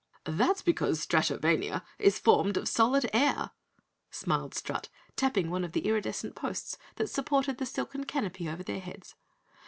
"That's because Stratovania is formed of solid air," smiled Strut, tapping one of the iridescent posts that supported the silken canopy over their heads.